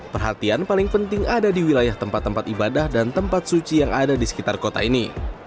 perhatian paling penting ada di wilayah tempat tempat ibadah dan tempat suci yang ada di sekitar kota ini